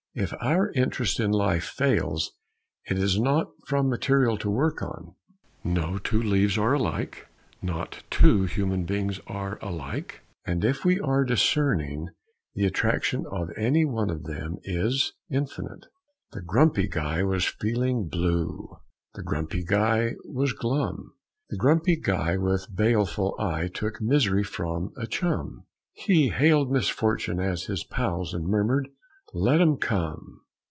If our interest in life fails, it is not from material to work on. No two leaves are alike, not two human beings are alike, and if we are discerning, the attraction of any one of them is infinite. The Grumpy Guy was feeling blue; the Grumpy Guy was glum; The Grumpy Guy with baleful eye took Misery for a chum. He hailed misfortunes as his pals, and murmured, "Let 'em come!"